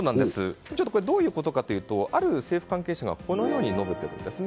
どういうことかというとある政府関係者が述べているんです。